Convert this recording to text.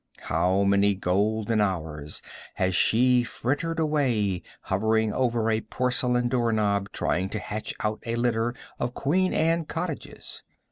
How many golden hours has she frittered away hovering over a porcelain door knob trying to hatch out a litter of Queen Anne cottages.